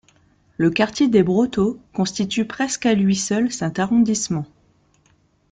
Le quartier des Brotteaux constitue presque à lui seul cet arrondissement.